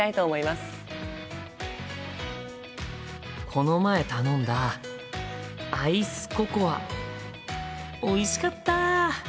この前頼んだアイスココアおいしかった。